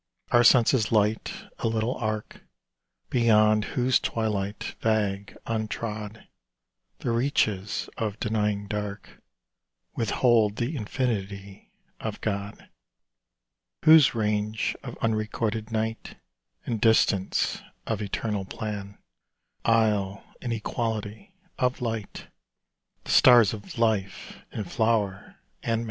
Our senses light a little arc, Beyond whose twilight, vague, untrod, The reaches of denying Dark Withhold the infinity of God, Whose range of unrecorded night, And distance of eternal plan, Isle in equality of light The stars of life in flower and man; A WHITE ROSE.